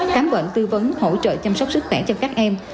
khám bệnh tư vấn hỗ trợ chăm sóc sức khỏe cho các em